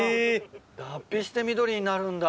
脱皮して緑になるんだ。